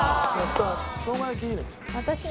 しょうが焼きいいね。